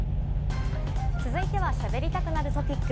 続いてはしゃべりたくなるトピック。